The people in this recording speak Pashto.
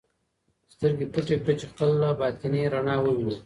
سترګې پټې کړه چې خپله باطني رڼا ووینې.